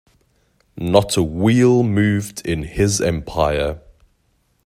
Not a wheel moved in his empire.